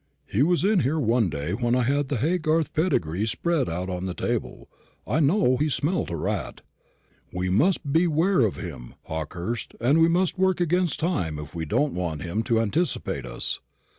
He was in here one day when I had the Haygarth pedigree spread out on the table, and I know he smelt a rat. We must beware of him, Hawkehurst, and we must work against time if we don't want him to anticipate us."